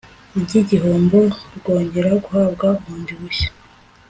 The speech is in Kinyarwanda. ry igihombo bwongera guhabwa bundi bushya